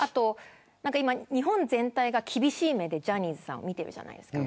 今、日本全体が厳しい目でジャニーズさんを見てるじゃないですか。